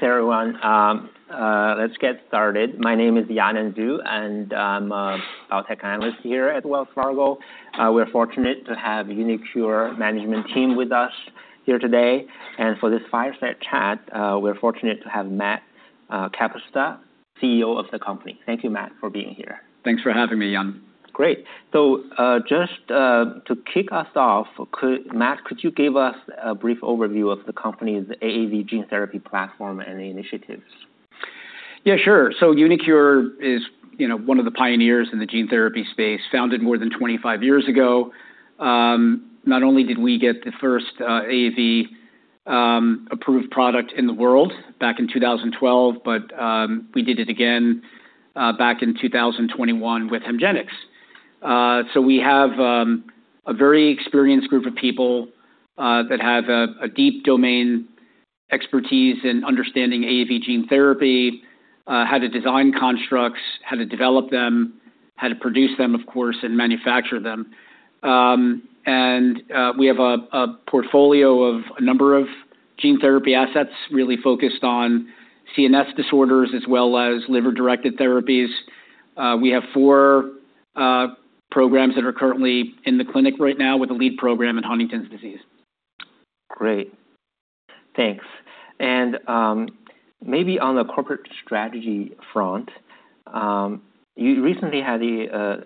Great. Thanks, everyone. Let's get started. My name is Yanan Zhu, and I'm a biotech analyst here at Wells Fargo. We're fortunate to have uniQure management team with us here today. And for this fireside chat, we're fortunate to have Matt Kapusta, CEO of the company. Thank you, Matt, for being here. Thanks for having me, Yan. Great. So, just to kick us off, Matt, could you give us a brief overview of the company's AAV gene therapy platform and the initiatives? Yeah, sure. So uniQure is, you know, one of the pioneers in the gene therapy space, founded more than 25 years ago. Not only did we get the first AAV approved product in the world back in 2012, but we did it again back in 2021 with Hemgenix. So we have a very experienced group of people that have a deep domain expertise in understanding AAV gene therapy, how to design constructs, how to develop them, how to produce them, of course, and manufacture them. And we have a portfolio of a number of gene therapy assets, really focused on CNS disorders, as well as liver-directed therapies. We have four programs that are currently in the clinic right now with a lead program in Huntington's disease. Great. Thanks. And, maybe on the corporate strategy front, you recently had the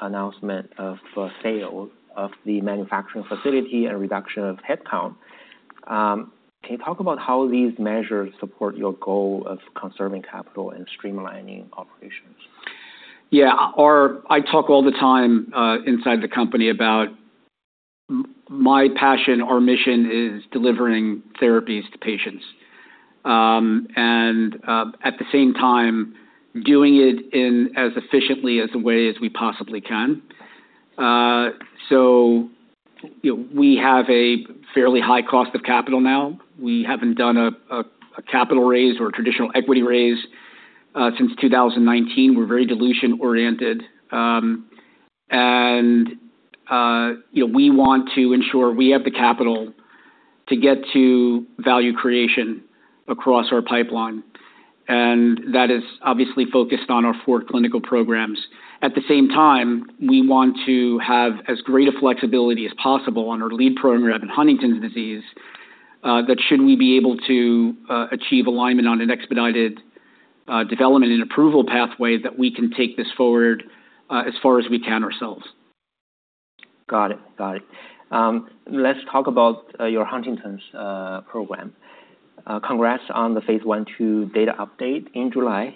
announcement of sale of the manufacturing facility and reduction of headcount. Can you talk about how these measures support your goal of conserving capital and streamlining operations? Yeah, our I talk all the time inside the company about my passion. Our mission is delivering therapies to patients, and at the same time, doing it in as efficiently as a way as we possibly can, so you know, we have a fairly high cost of capital now. We haven't done a capital raise or traditional equity raise since 2019. We're very dilution-oriented, and you know, we want to ensure we have the capital to get to value creation across our pipeline, and that is obviously focused on our four clinical programs. At the same time, we want to have as great a flexibility as possible on our lead program in Huntington's disease, that should we be able to achieve alignment on an expedited development and approval pathway, that we can take this forward as far as we can ourselves. Got it. Let's talk about your Huntington's program. Congrats on the phase I/II data update in July.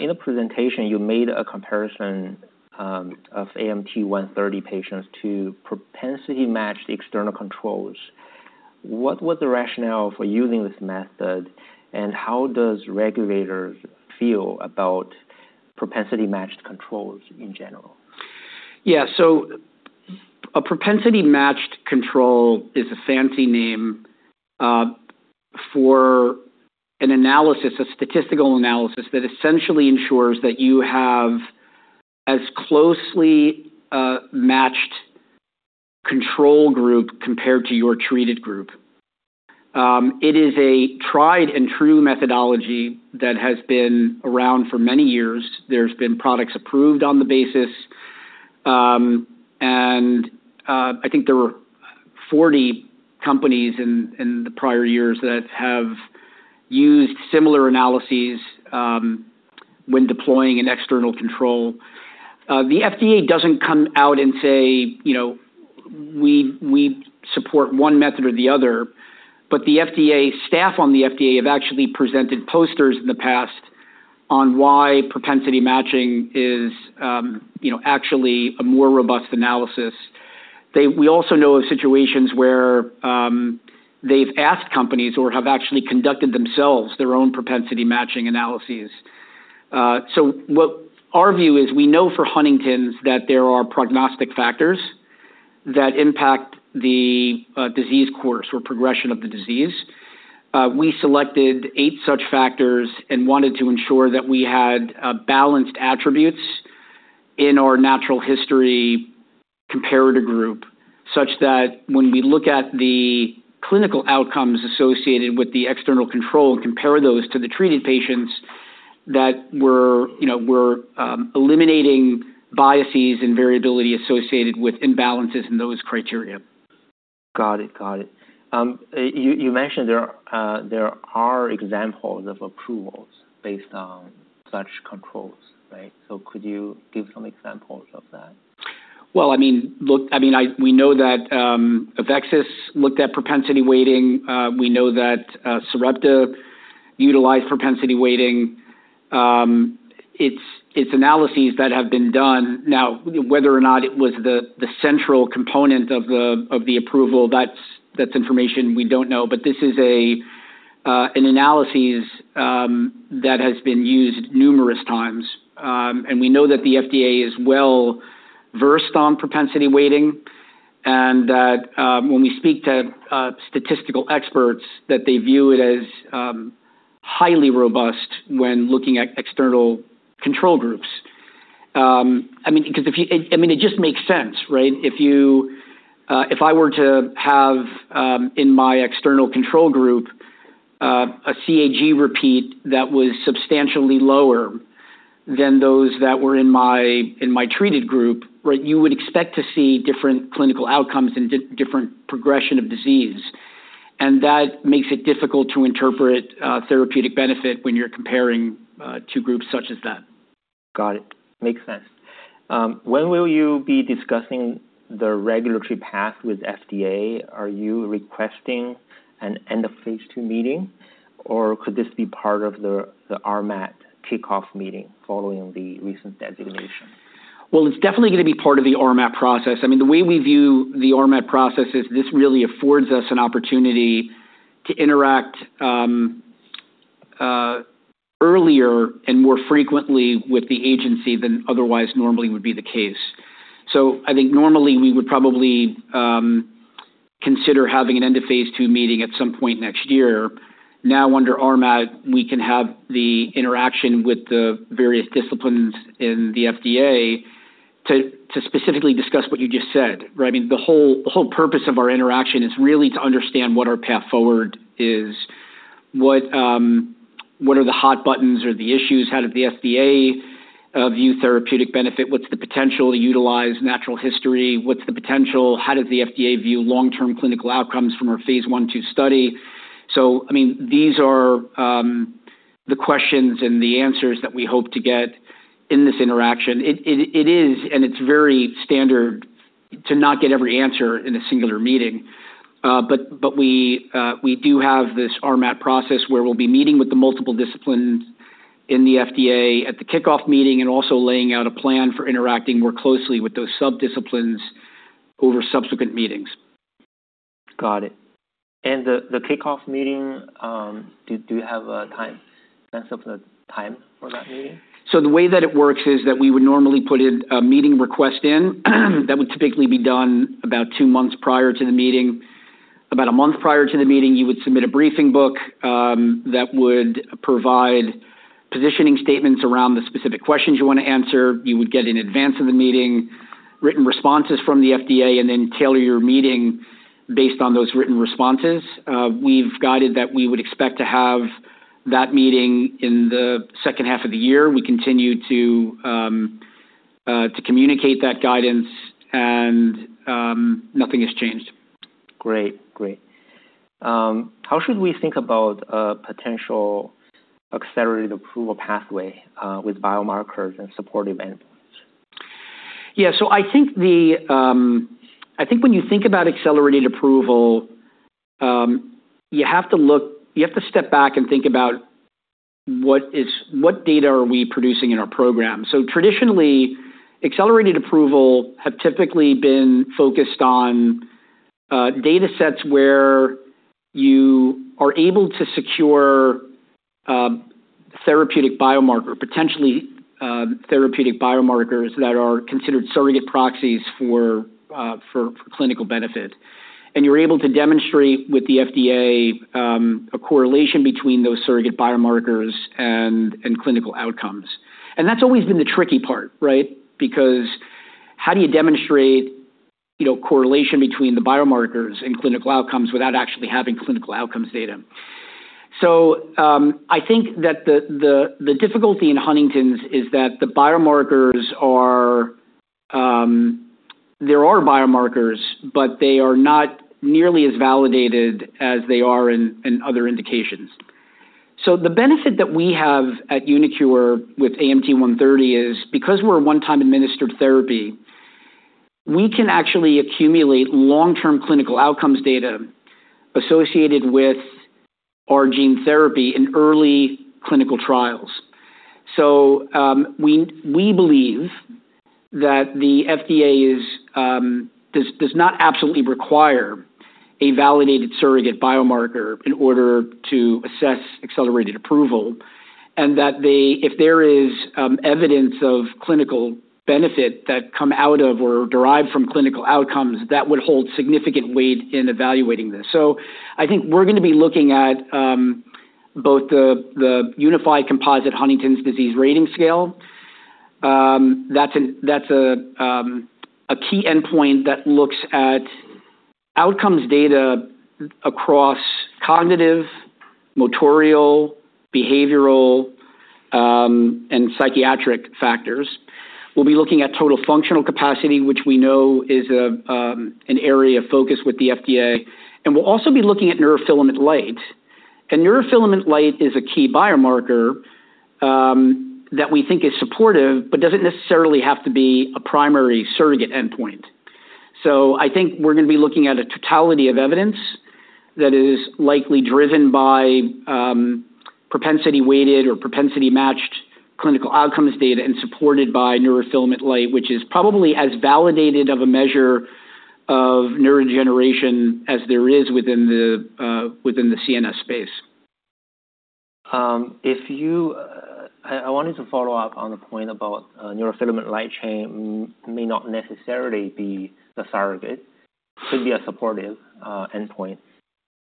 In a presentation, you made a comparison of AMT-130 patients to propensity-matched external controls. What was the rationale for using this method, and how does regulators feel about propensity-matched controls in general? Yeah. So a propensity-matched control is a fancy name for an analysis, a statistical analysis, that essentially ensures that you have as closely matched control group compared to your treated group. It is a tried-and-true methodology that has been around for many years. There's been products approved on the basis, and I think there were 40 companies in the prior years that have used similar analyses, when deploying an external control. The FDA doesn't come out and say, you know, we support one method or the other, but the FDA, staff on the FDA have actually presented posters in the past on why propensity matching is, you know, actually a more robust analysis. We also know of situations where they've asked companies or have actually conducted themselves, their own propensity matching analyses. So what our view is, we know for Huntington's that there are prognostic factors that impact the disease course or progression of the disease. We selected eight such factors and wanted to ensure that we had balanced attributes in our natural history comparator group, such that when we look at the clinical outcomes associated with the external control and compare those to the treated patients, that we're, you know, eliminating biases and variability associated with imbalances in those criteria. Got it. Got it. You mentioned there are examples of approvals based on such controls, right? So could you give some examples of that? I mean, look, I mean, we know that AveXis looked at propensity weighting. We know that Sarepta utilized propensity weighting. It's analyses that have been done. Now, whether or not it was the central component of the approval, that's information we don't know. But this is an analyses that has been used numerous times, and we know that the FDA is well versed on propensity weighting, and that, when we speak to statistical experts, that they view it as highly robust when looking at external control groups. I mean, because if you, I mean, it just makes sense, right? If you, if I were to have, in my external control group, a CAG repeat that was substantially lower than those that were in my treated group, right, you would expect to see different clinical outcomes and different progression of disease. And that makes it difficult to interpret therapeutic benefit when you're comparing two groups such as that. Got it. Makes sense. When will you be discussing the regulatory path with FDA? Are you requesting an end of phase II meeting, or could this be part of the RMAT kickoff meeting following the recent designation? It's definitely gonna be part of the RMAT process. I mean, the way we view the RMAT process is this really affords us an opportunity to interact earlier and more frequently with the agency than otherwise normally would be the case. So I think normally we would probably consider having an end of phase II meeting at some point next year. Now, under RMAT, we can have the interaction with the various disciplines in the FDA to specifically discuss what you just said, right? I mean, the whole purpose of our interaction is really to understand what our path forward is. What are the hot buttons or the issues? How did the FDA view therapeutic benefit? What's the potential to utilize natural history? What's the potential? How does the FDA view long-term clinical outcomes from our phase I, II study? I mean, these are the questions and the answers that we hope to get in this interaction. It is, and it's very standard to not get every answer in a singular meeting. We do have this RMAT process, where we'll be meeting with the multiple disciplines in the FDA at the kickoff meeting, and also laying out a plan for interacting more closely with those sub-disciplines over subsequent meetings. Got it. And the kickoff meeting, do you have a sense of the time for that meeting? So the way that it works is that we would normally put in a meeting request, that would typically be done about two months prior to the meeting. About a month prior to the meeting, you would submit a briefing book that would provide positioning statements around the specific questions you want to answer. You would get in advance of the meeting written responses from the FDA, and then tailor your meeting based on those written responses. We've guided that we would expect to have that meeting in the second half of the year. We continue to communicate that guidance, and nothing has changed. Great. Great. How should we think about a potential accelerated approval pathway with biomarkers and supportive endpoints? Yeah. So I think when you think about Accelerated Approval, you have to step back and think about what is, what data are we producing in our program. So traditionally, Accelerated Approval have typically been focused on data sets where you are able to secure therapeutic biomarker, potentially, therapeutic biomarkers that are considered surrogate proxies for clinical benefit. And you're able to demonstrate with the FDA a correlation between those surrogate biomarkers and clinical outcomes. And that's always been the tricky part, right? Because how do you demonstrate, you know, correlation between the biomarkers and clinical outcomes without actually having clinical outcomes data? So, I think that the difficulty in Huntington's is that the biomarkers are, there are biomarkers, but they are not nearly as validated as they are in other indications. So the benefit that we have at uniQure with AMT-130 is, because we're a one-time administered therapy, we can actually accumulate long-term clinical outcomes data associated with our gene therapy in early clinical trials. So, we believe that the FDA does not absolutely require a validated surrogate biomarker in order to assess accelerated approval, and that they, if there is evidence of clinical benefit that come out of or derived from clinical outcomes, that would hold significant weight in evaluating this. So I think we're gonna be looking at both the composite Unified Huntington's Disease Rating Scale. That's a key endpoint that looks at outcomes data across cognitive, motor, behavioral, and psychiatric factors. We'll be looking at Total Functional Capacity, which we know is an area of focus with the FDA, and we'll also be looking at neurofilament light. Neurofilament light is a key biomarker that we think is supportive, but doesn't necessarily have to be a primary surrogate endpoint. I think we're gonna be looking at a totality of evidence that is likely driven by propensity-weighted or propensity-matched clinical outcomes data and supported by neurofilament light, which is probably as validated of a measure of neurodegeneration as there is within the CNS space. If you, I wanted to follow up on a point about neurofilament light chain may not necessarily be the surrogate, could be a supportive endpoint.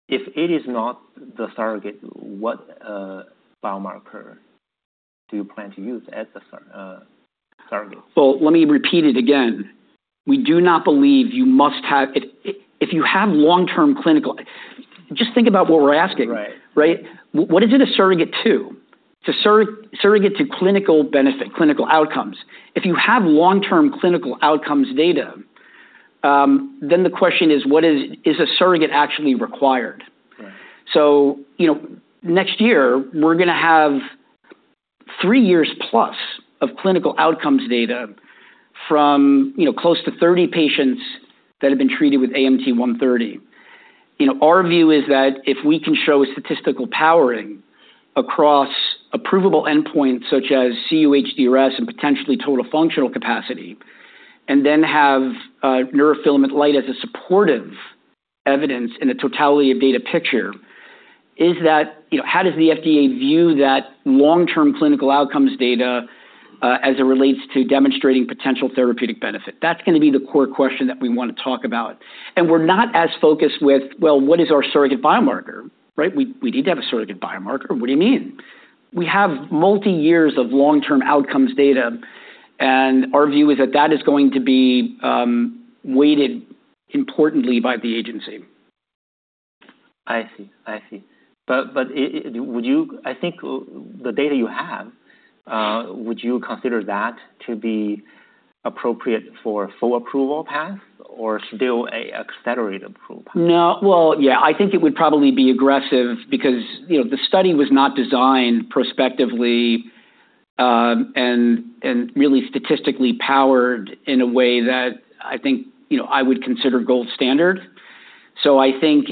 If it is not the surrogate, what biomarker do you plan to use as the surrogate? Let me repeat it again. We do not believe you must have, if you have long-term clinical. Just think about what we're asking. Right. Right? What is it a surrogate to? To surrogate to clinical benefit, clinical outcomes. If you have long-term clinical outcomes data, then the question is, what is a surrogate actually required? Right. So, you know, next year, we're gonna have three years plus of clinical outcomes data from, you know, close to 30 patients that have been treated with AMT-130. You know, our view is that if we can show a statistical powering across approvable endpoints such as cUHDRS and potentially total functional capacity, and then have neurofilament light as a supportive evidence in the totality of data picture, is that, you know, how does the FDA view that long-term clinical outcomes data as it relates to demonstrating potential therapeutic benefit? That's gonna be the core question that we wanna talk about. We're not as focused with well, what is our surrogate biomarker? Right, we need to have a surrogate biomarker. What do you mean? We have multi years of long-term outcomes data, and our view is that that is going to be, weighted importantly by the agency. I see. I see. But, I think the data you have, would you consider that to be appropriate for full approval path or still an Accelerated Approval path? No. Well, yeah, I think it would probably be aggressive because, you know, the study was not designed prospectively, and really statistically powered in a way that I think, you know, I would consider gold standard. So I think,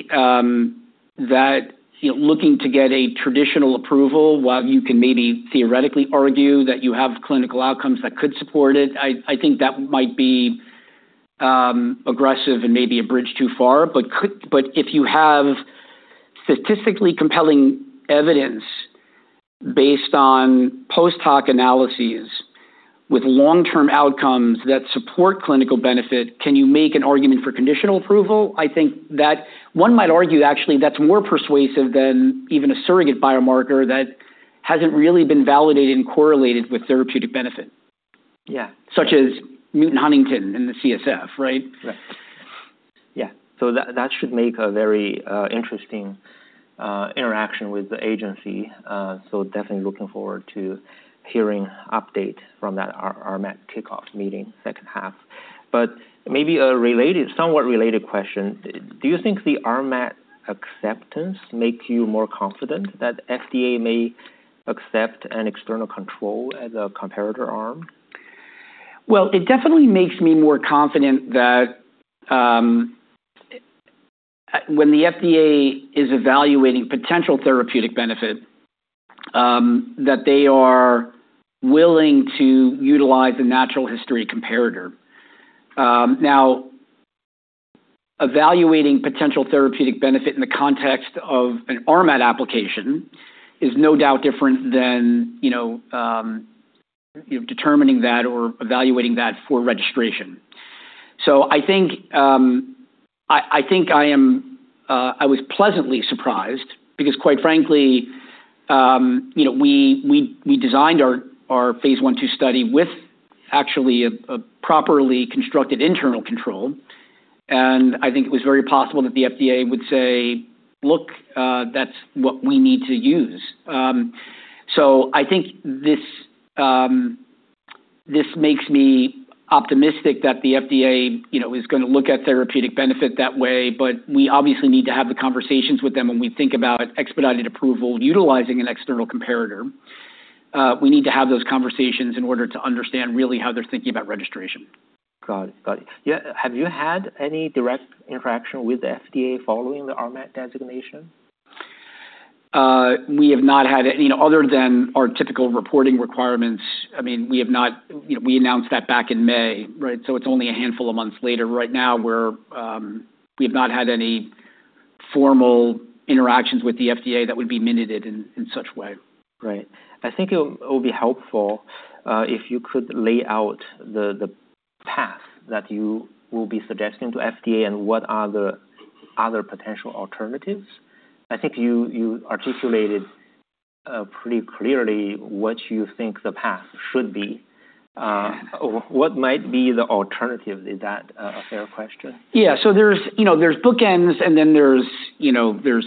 that, you know, looking to get a traditional approval, while you can maybe theoretically argue that you have clinical outcomes that could support it, I think that might be, aggressive and maybe a bridge too far. But if you have statistically compelling evidence based on post hoc analyses with long-term outcomes that support clinical benefit, can you make an argument for conditional approval? I think that one might argue, actually, that's more persuasive than even a surrogate biomarker that hasn't really been validated and correlated with therapeutic benefit. Yeah. Such as mutant huntingtin in the CSF, right? Right. Yeah. So that should make a very interesting interaction with the agency. So definitely looking forward to hearing update from that RMAT kickoff meeting, second half. But maybe a related, somewhat related question: Do you think the RMAT acceptance makes you more confident that FDA may accept an external control as a comparator arm? It definitely makes me more confident that, when the FDA is evaluating potential therapeutic benefit, that they are willing to utilize a natural history comparator. Now, evaluating potential therapeutic benefit in the context of an RMAT application is no doubt different than, you know, determining that or evaluating that for registration. I think I was pleasantly surprised, because quite frankly, you know, we designed our phase I/II study with actually a properly constructed internal control, and I think it was very possible that the FDA would say, "Look, that's what we need to use." I think this makes me optimistic that the FDA, you know, is gonna look at therapeutic benefit that way, but we obviously need to have the conversations with them when we think about expedited approval, utilizing an external comparator. We need to have those conversations in order to understand really how they're thinking about registration. Got it. Yeah, have you had any direct interaction with the FDA following the RMAT designation? We have not had any, you know, other than our typical reporting requirements, I mean, we have not... You know, we announced that back in May, right? So it's only a handful of months later. Right now, we're, we've not had any formal interactions with the FDA that would be minuted in such way. Right. I think it would be helpful if you could lay out the path that you will be suggesting to FDA and what are the other potential alternatives. I think you articulated pretty clearly what you think the path should be. What might be the alternative? Is that a fair question? Yeah. So there's, you know, there's bookends, and then there's, you know, there's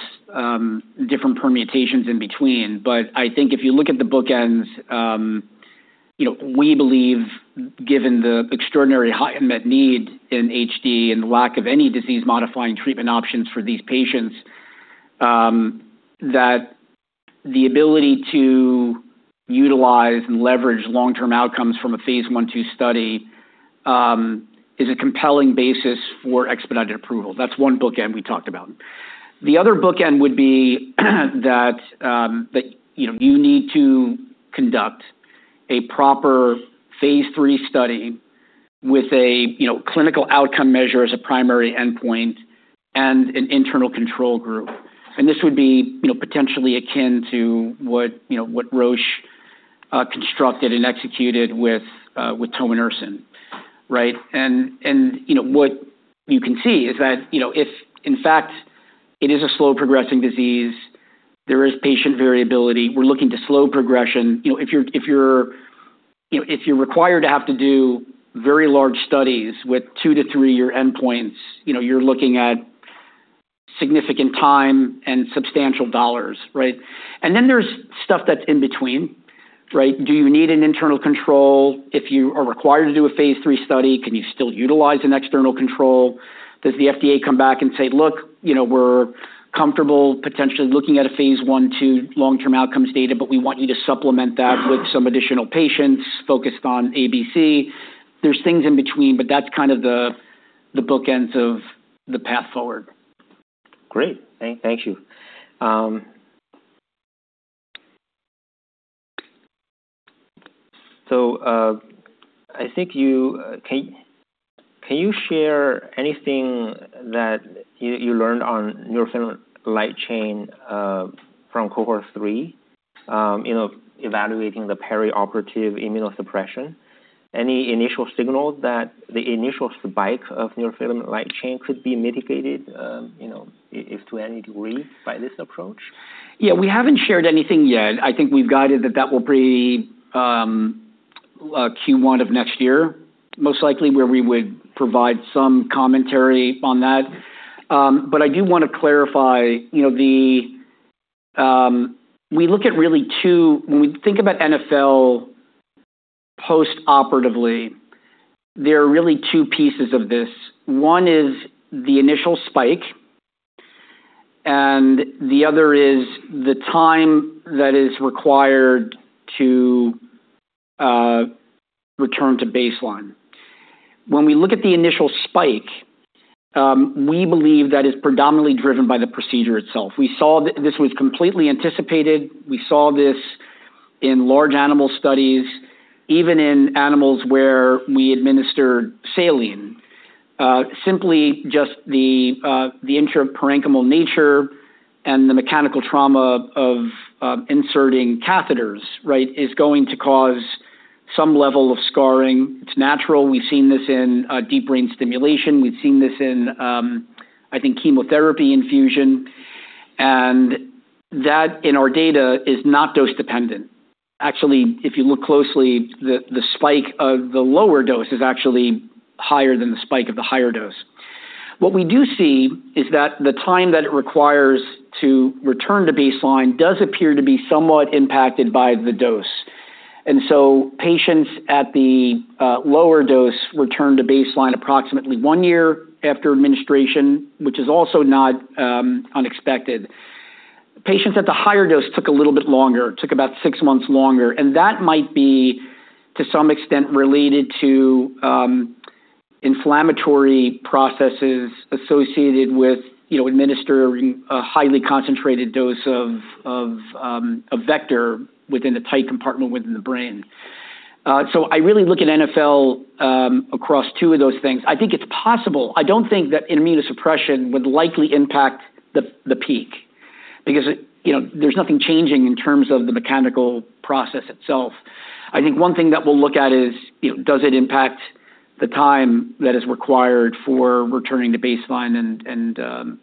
different permutations in between. But I think if you look at the bookends, you know, we believe, given the extraordinary high unmet need in HD and lack of any disease-modifying treatment options for these patients, that the ability to utilize and leverage long-term outcomes from a phase I/II study is a compelling basis for expedited approval. That's one bookend we talked about. The other bookend would be that you know, you need to conduct a proper phase III study with a you know, clinical outcome measure as a primary endpoint and an internal control group. And this would be you know, potentially akin to what you know, what Roche constructed and executed with tominersen, right? And you know, what you can see is that, you know, if in fact it is a slow progressing disease, there is patient variability, we're looking to slow progression. You know, if you're, you know, if you're required to have to do very large studies with two- to three-year endpoints, you know, you're looking at significant time and substantial dollars, right? And then there's stuff that's in between, right? Do you need an internal control? If you are required to do a phase III study, can you still utilize an external control? Does the FDA come back and say, "Look, you know, we're comfortable potentially looking at a phase I/II long-term outcomes data, but we want you to supplement that with some additional patients focused on ABC." There's things in between, but that's kind of the bookends of the path forward. Great. Thank you. So, I think you can share anything that you learned on neurofilament light chain from cohort three, you know, evaluating the perioperative immunosuppression? Any initial signal that the initial spike of neurofilament light chain could be mitigated, you know, if to any degree by this approach? Yeah, we haven't shared anything yet. I think we've guided that that will be Q1 of next year, most likely, where we would provide some commentary on that. But I do want to clarify, you know, the. We look at really two - when we think about NfL post-operatively, there are really two pieces of this. One is the initial spike, and the other is the time that is required to return to baseline. When we look at the initial spike, we believe that is predominantly driven by the procedure itself. We saw that this was completely anticipated. We saw this in large animal studies, even in animals where we administered saline. Simply just the intraparenchymal nature and the mechanical trauma of inserting catheters, right, is going to cause some level of scarring. It's natural. We've seen this in deep brain stimulation. We've seen this in, I think, chemotherapy infusion, and that, in our data, is not dose-dependent. Actually, if you look closely, the spike of the lower dose is actually higher than the spike of the higher dose. What we do see is that the time that it requires to return to baseline does appear to be somewhat impacted by the dose. And so patients at the lower dose return to baseline approximately one year after administration, which is also not unexpected. Patients at the higher dose took a little bit longer, took about six months longer, and that might be, to some extent, related to inflammatory processes associated with, you know, administering a highly concentrated dose of a vector within a tight compartment within the brain. I really look at NfL across two of those things. I think it's possible. I don't think that immunosuppression would likely impact the peak because it, you know, there's nothing changing in terms of the mechanical process itself. I think one thing that we'll look at is, you know, does it impact the time that is required for returning to baseline?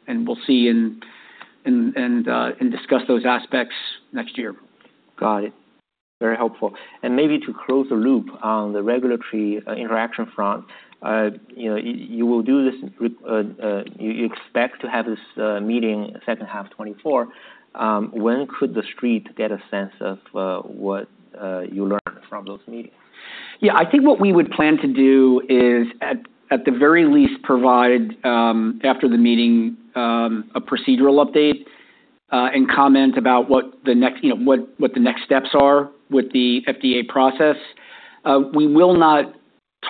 We'll see and discuss those aspects next year. Got it. Very helpful. And maybe to close the loop on the regulatory interaction front, you know, you will do this with you expect to have this meeting second half 2024. When could the street get a sense of what you learned from those meetings? Yeah, I think what we would plan to do is, at the very least, provide after the meeting a procedural update and comment about what the next, you know, steps are with the FDA process. We will not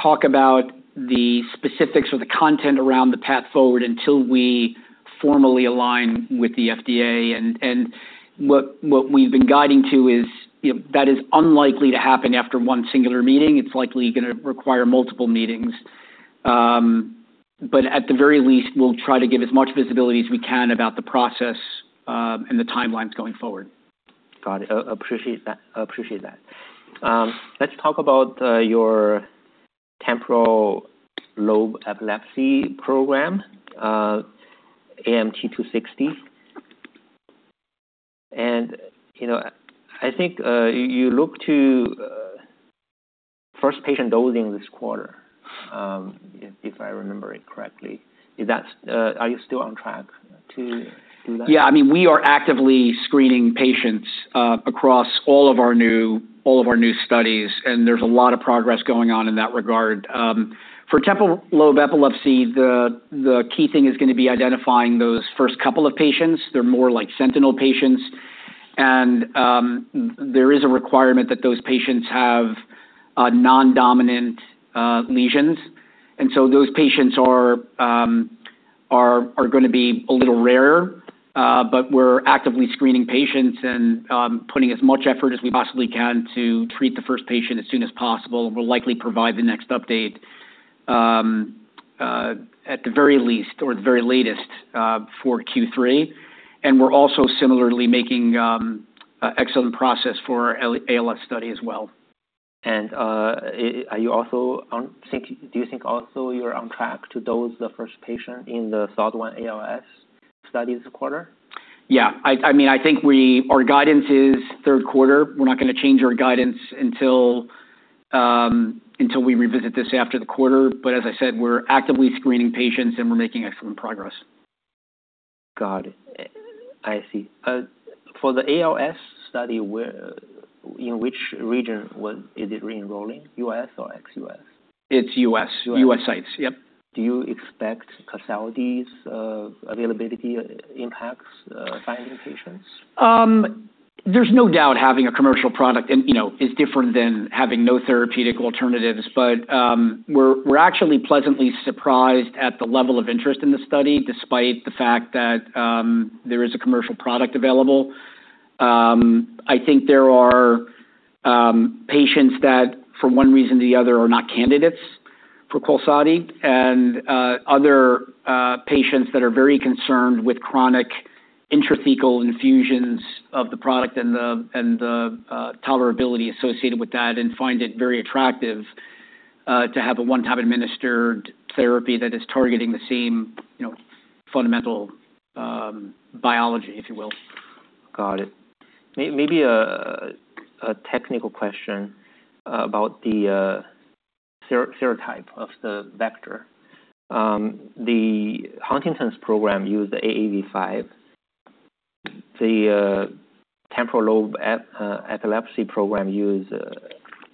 talk about the specifics or the content around the path forward until we formally align with the FDA, and what we've been guiding to is, you know, that is unlikely to happen after one singular meeting. It's likely gonna require multiple meetings, but at the very least, we'll try to give as much visibility as we can about the process and the timelines going forward. Got it. Appreciate that. I appreciate that. Let's talk about your temporal lobe epilepsy program, AMT-260. You know, I think you look to first patient dosing this quarter, if I remember it correctly. Is that? Are you still on track to do that? Yeah. I mean, we are actively screening patients across all of our new studies, and there's a lot of progress going on in that regard. For temporal lobe epilepsy, the key thing is gonna be identifying those first couple of patients. They're more like sentinel patients. And there is a requirement that those patients have non-dominant lesions. And so those patients are gonna be a little rarer, but we're actively screening patients and putting as much effort as we possibly can to treat the first patient as soon as possible. We'll likely provide the next update at the very least or the very latest for Q3. And we're also similarly making excellent progress for our ALS study as well. Do you think you're also on track to dose the first patient in the SOD1 ALS study this quarter? Yeah, I mean, I think our guidance is third quarter. We're not going to change our guidance until we revisit this after the quarter. But as I said, we're actively screening patients, and we're making excellent progress. Got it. I see. For the ALS study, in which region is it re-enrolling, U.S. or ex-U.S? It's U.S. U.S. U.S. sites. Yep. Do you expect Qalsody's availability impacts finding patients? There's no doubt having a commercial product and, you know, is different than having no therapeutic alternatives, but we're actually pleasantly surprised at the level of interest in the study, despite the fact that there is a commercial product available. I think there are patients that, for one reason or the other, are not candidates for Qalsody, and other patients that are very concerned with chronic intrathecal infusions of the product and the tolerability associated with that, and find it very attractive to have a one-time administered therapy that is targeting the same, you know, fundamental biology, if you will. Got it. Maybe a technical question about the serotype of the vector. The Huntington's program used the AAV5. The temporal lobe epilepsy program used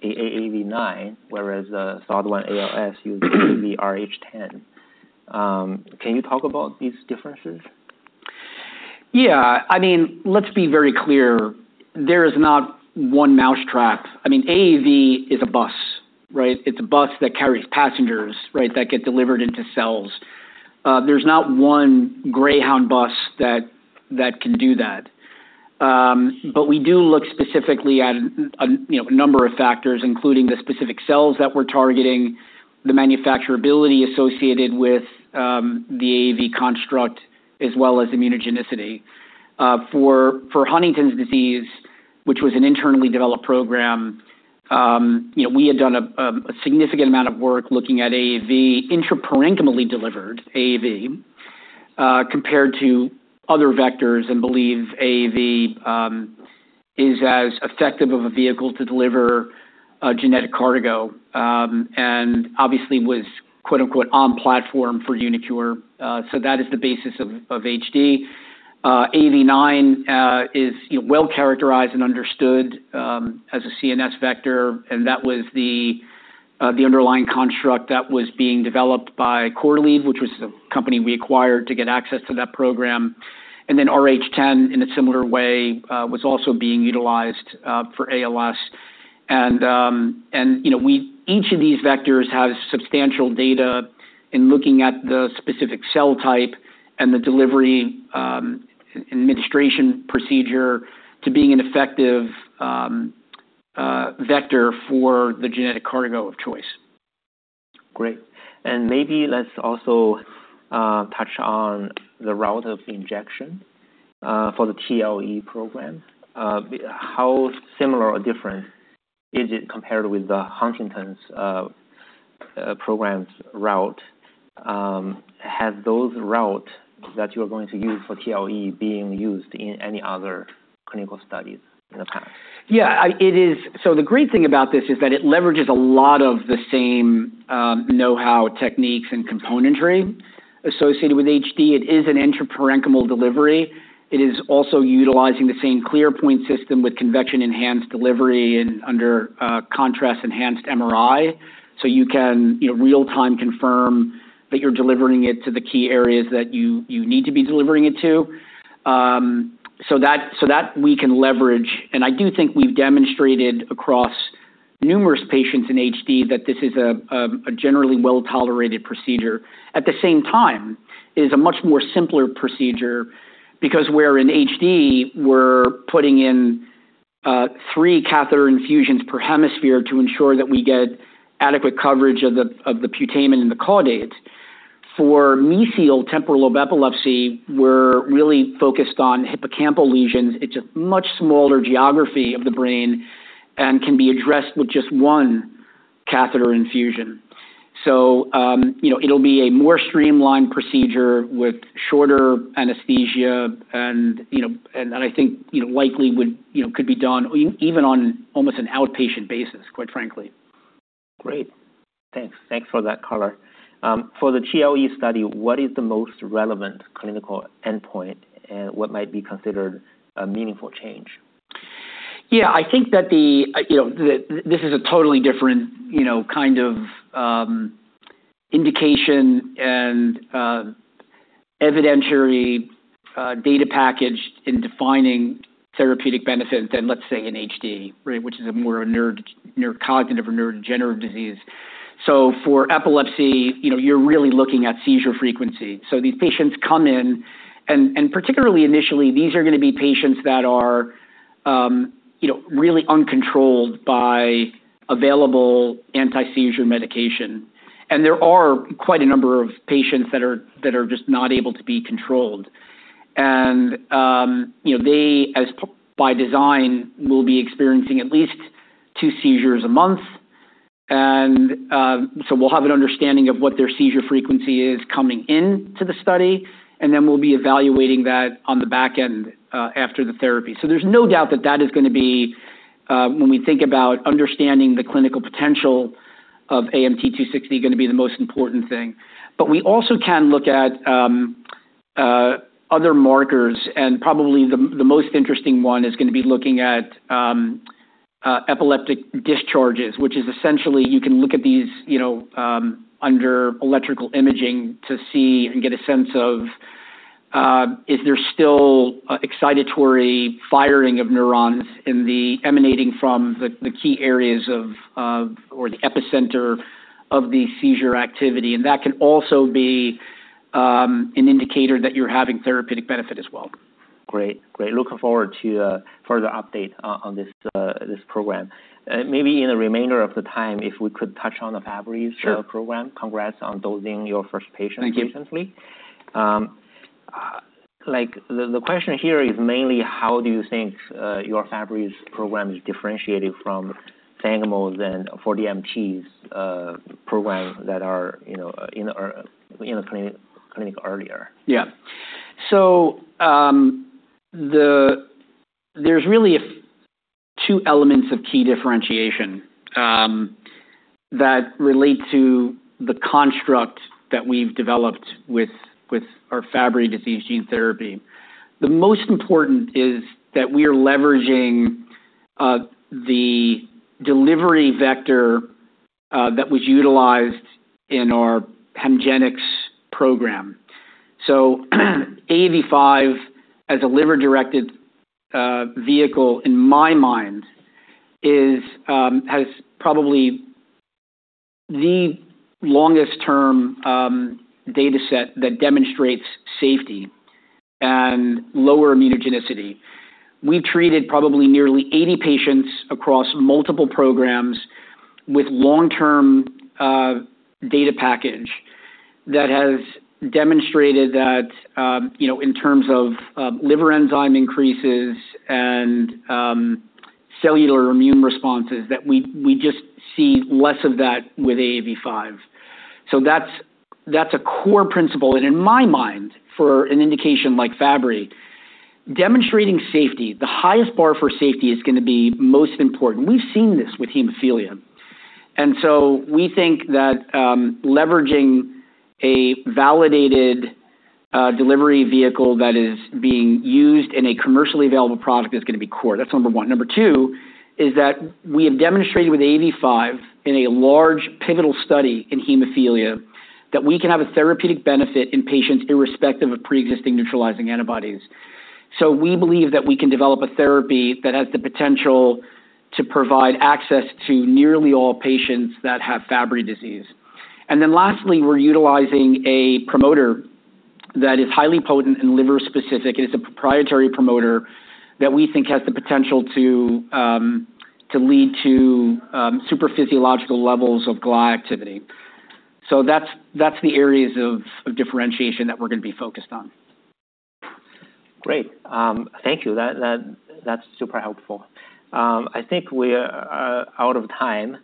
AAV9, whereas the SOD1 ALS used AAVrh10. Can you talk about these differences? Yeah. I mean, let's be very clear. There is not one mousetrap. I mean, AAV is a bus, right? It's a bus that carries passengers, right, that get delivered into cells. There's not one Greyhound bus that can do that. But we do look specifically at, you know, a number of factors, including the specific cells that we're targeting, the manufacturability associated with the AAV construct, as well as immunogenicity. For Huntington's disease, which was an internally developed program, you know, we had done a significant amount of work looking at AAV intraparenchymally delivered AAV, compared to other vectors, and believe AAV is as effective of a vehicle to deliver a genetic cargo. And obviously was, quote, unquote, "on platform for uniQure." So that is the basis of HD. AAV9 is, you know, well-characterized and understood as a CNS vector, and that was the underlying construct that was being developed by Corlieve, which was the company we acquired to get access to that program. And then rh10, in a similar way, was also being utilized for ALS. And you know, each of these vectors has substantial data in looking at the specific cell type and the delivery, administration procedure to being an effective vector for the genetic cargo of choice. Great. And maybe let's also touch on the route of injection for the TLE program. How similar or different is it compared with the Huntington's program's route? Have those route that you are going to use for TLE being used in any other clinical studies in the past? Yeah, it is. So the great thing about this is that it leverages a lot of the same know-how, techniques, and componentry associated with HD. It is an intraparenchymal delivery. It is also utilizing the same ClearPoint system with convection-enhanced delivery and under contrast-enhanced MRI. So you can, you know, real time confirm that you're delivering it to the key areas that you need to be delivering it to. So that we can leverage, and I do think we've demonstrated across numerous patients in HD, that this is a generally well-tolerated procedure. At the same time, it is a much more simpler procedure, because where in HD, we're putting in three catheter infusions per hemisphere to ensure that we get adequate coverage of the putamen and the caudate. For mesial temporal lobe epilepsy, we're really focused on hippocampal lesions. It's a much smaller geography of the brain and can be addressed with just one catheter infusion. So, you know, it'll be a more streamlined procedure with shorter anesthesia and, you know, and I think, you know, likely would, you know, could be done even on almost an outpatient basis, quite frankly. Great. Thanks. Thanks for that color. For the TLE study, what is the most relevant clinical endpoint, and what might be considered a meaningful change? Yeah, I think that the, you know, the, this is a totally different, you know, kind of, indication and, evidentiary, data package in defining therapeutic benefit than, let's say, in HD, right? Which is a more neurocognitive or neurodegenerative disease. So for epilepsy, you know, you're really looking at seizure frequency. So these patients come in, and particularly initially, these are gonna be patients that are you know, really uncontrolled by available anti-seizure medication. And there are quite a number of patients that are just not able to be controlled. And, you know, they, as by design, will be experiencing at least two seizures a month. And, so we'll have an understanding of what their seizure frequency is coming into the study, and then we'll be evaluating that on the back end, after the therapy. So there's no doubt that that is gonna be, when we think about understanding the clinical potential of AMT-260, gonna be the most important thing. But we also can look at other markers, and probably the most interesting one is gonna be looking at epileptic discharges, which is essentially, you can look at these, you know, under electrical imaging to see and get a sense of, is there still, excitatory firing of neurons in the emanating from the key areas of, or the epicenter of the seizure activity, and that can also be an indicator that you're having therapeutic benefit as well. Great. Great. Looking forward to further update on this program. Maybe in the remainder of the time, if we could touch on the Fabry's- Sure. program. Congrats on dosing your first patient recently. Thank you. Like, the question here is mainly, how do you think your Fabry's program is differentiated from Sangamo's and 4DMT program that are, you know, in a clinic earlier? Yeah. So there's really two elements of key differentiation that relate to the construct that we've developed with our Fabry disease gene therapy. The most important is that we are leveraging the delivery vector that was utilized in our Hemgenix program. So AAV5, as a liver-directed vehicle, in my mind has probably the longest term data set that demonstrates safety and lower immunogenicity. We treated probably nearly 80 patients across multiple programs with long-term data package that has demonstrated that you know in terms of liver enzyme increases and cellular immune responses that we just see less of that with AAV5. So that's a core principle. And in my mind, for an indication like Fabry, demonstrating safety, the highest bar for safety is gonna be most important. We've seen this with hemophilia. And so we think that, leveraging a validated, delivery vehicle that is being used in a commercially available product is gonna be core. That's number one. Number two is that we have demonstrated with AAV5, in a large pivotal study in hemophilia, that we can have a therapeutic benefit in patients irrespective of preexisting neutralizing antibodies. So we believe that we can develop a therapy that has the potential to provide access to nearly all patients that have Fabry disease. And then lastly, we're utilizing a promoter that is highly potent and liver specific, and it's a proprietary promoter that we think has the potential to lead to super physiological levels of GLA activity. So that's the areas of differentiation that we're gonna be focused on. Great. Thank you. That, that's super helpful. I think we are out of time,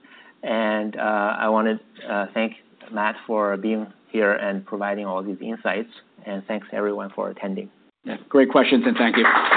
and I wanna thank Matt for being here and providing all these insights, and thanks, everyone, for attending. Yeah. Great questions, and thank you.